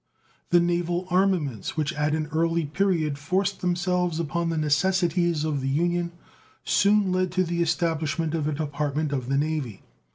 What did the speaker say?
The naval armaments, which at an early period forced themselves upon the necessities of the Union, soon led to the establishment of a Department of the Navy.